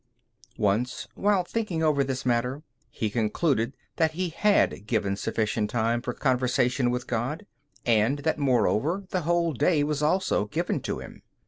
Once while thinking over this matter he concluded that he had given sufficient time for conversation with God, and that moreover the whole day was also given to Him.